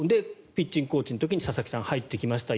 ピッチングコーチの時に佐々木さんが入ってきました。